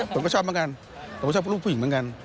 ผมก็ชอบเหมือนกันผมก็ชอบลูกผู้หญิงเหมือนกัน